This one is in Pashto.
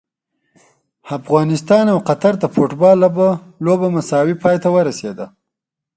افغانستان او قطر د فوټبال لوبه مساوي پای ته ورسیده!